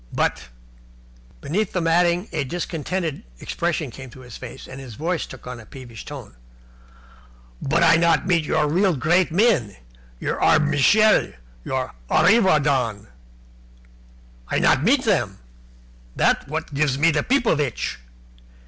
But " Beneath the matting a discontented expression came into his face, and his voice took on a peevish note. "But I not meet your real great men your Arbmishel, your Arreevadon I not meet them. That's what gives me the pipovitch.